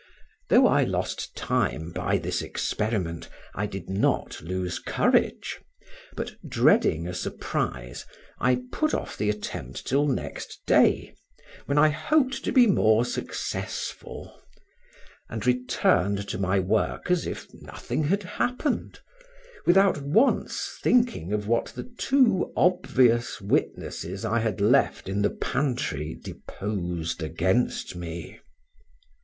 Though I lost time by this experiment, I did not lose courage, but, dreading a surprise, I put off the attempt till next day, when I hoped to be more successful, and returned to my work as if nothing had happened, without once thinking of what the two obvious witnesses I had left in the pantry deposed against me.